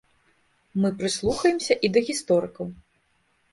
Мы прыслухаемся і да гісторыкаў.